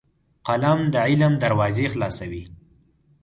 قلم د علم دروازې خلاصوي